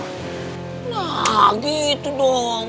nah gitu dong